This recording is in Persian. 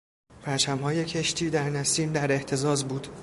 پرچمهای کشتی در نسیم در اهتزاز بود.